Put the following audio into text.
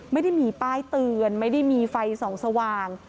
ไม่ได้มีป้ายเตือนไม่ได้มีไฟส่องสว่าง